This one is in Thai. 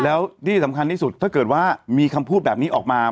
แล้วที่สำคัญที่สุดถ้าเกิดว่ามีคำพูดแบบนี้ออกมา